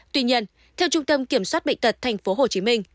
tuy nhiên theo trung tâm kiểm soát bệnh tật tp hcm